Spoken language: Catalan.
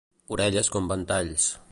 Orelles com ventalls.